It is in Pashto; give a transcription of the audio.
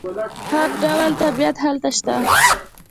هر ډول طبیعت هلته شته.